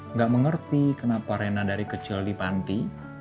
nggak mengerti kenapa rena dari kecil dipanti